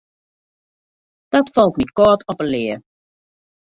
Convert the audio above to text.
Dat falt my kâld op 'e lea.